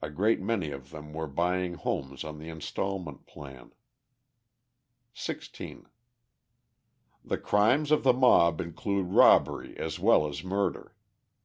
A great many of them were buying homes on the instalment plan. 16. The crimes of the mob include robbery as well as murder.